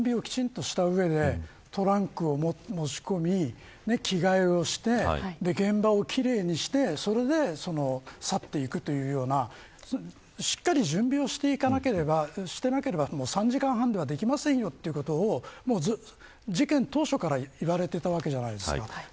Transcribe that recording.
もともと計画的な犯行であるとそれなりの準備をきちんとした上でトランクを持ち込み着替えをして現場を奇麗にしてそれで去っていくというようなしっかり準備をして行かなければ３時間半ではできませんよ、ということを事件当初から言われていたわけじゃないですか。